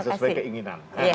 bukan sesuai keinginan